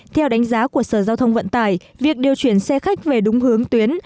theo đánh giá của sở giao thông vận tải việc điều chuyển xe khách về đúng hướng tuyến